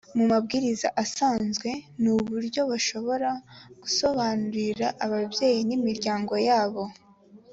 mu mabwiriza asanzwe ni uburyo bashobora gusobanurira ababyeyi n’imiryango yabo